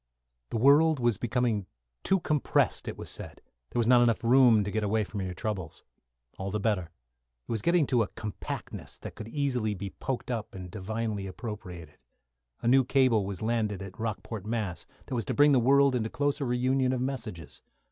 The world was becoming too compressed, it was said; there was not room enough to get away from your troubles. All the better. It was getting to a compactness that could be easily poked up and divinely appropriated. A new cable was landed at Rockport, Mass., that was to bring the world into closer reunion of messages.